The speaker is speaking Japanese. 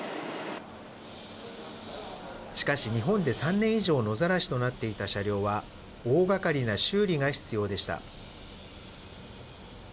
しかし日本で３年以上野ざらしとなっていた車両は大がかりな修理が必要でした。